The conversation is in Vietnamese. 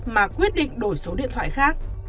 mà quyết định đổi số điện thoại khác